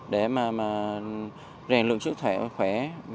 để mà rèn lượng sức khỏe